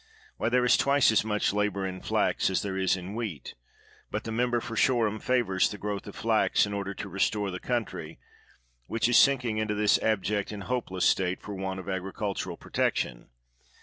Why, there is t\nce as much labor in flax as there is in wheat; but the member for Shoreham favors the growth of flax in order to restore the country, which is sinking into this abject and hopeless state for want of agricultural protection.